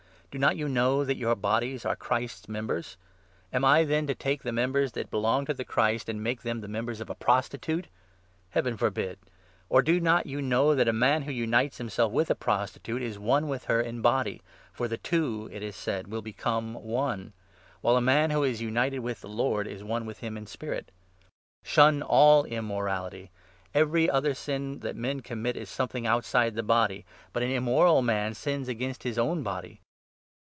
Do not you know that your bodies are 15 Christ's members? Am I, then, to take the members that belong to the Christ and make them the members of a prostitute? Heaven forbid ! Or do not you know that a man who unites 16 himself with a prostitute is one with her in body (for ' the two,' it is said, ' will become one '); while a man who is united with 17 the Lord is one with him in spirit? Shun all immorality. 18 Every other sin that men commit is something outside the body ; but an immoral man sins against his own body.